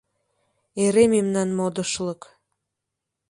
Эре мемнан модышлык.